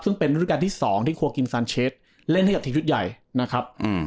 ซึ่งเป็นฤดูการที่สองที่โคกิมซานเชสเล่นให้กับทีมชุดใหญ่นะครับ